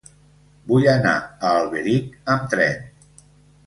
Vull anar a Alberic amb tren.